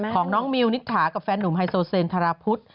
ของน้องมิวนิษฐากับแฟนหนุ่มไฮโซเซนธราพุทธ